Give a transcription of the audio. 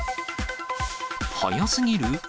早すぎる？